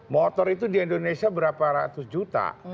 motor itu di indonesia berapa ratus juta